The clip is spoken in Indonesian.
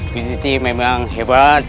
guzik memang hebat